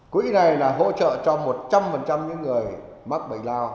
quỹ này là hỗ trợ cho một trăm linh những người mắc bệnh lao